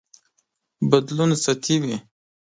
بدلون سطحي وي.